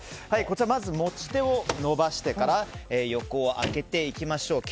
まず持ち手を伸ばしてから横を開けていきましょう。